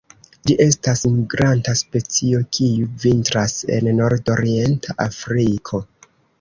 Ĝi estas migranta specio, kiu vintras en nordorienta Afriko.